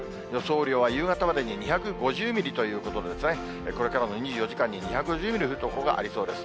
雨量は夕方までに２５０ミリということで、これからの２４時間に２５０ミリ降る所がありそうです。